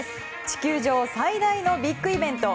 地球上最大のビッグイベント